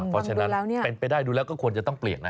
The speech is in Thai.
เพราะฉะนั้นเป็นไปได้ดูแล้วก็ควรจะต้องเปลี่ยนนะ